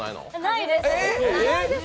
ないです。